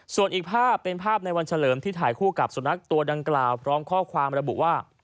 ส่วนอีกภาพเป็นภาพในวันเฉลิมที่ถ่ายคู่กับสุนัขตัวดังกล่าวพร้อมข้อความระบุว่า